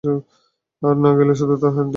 আর না গেলে শুধু তার হাড্ডিই পাবি।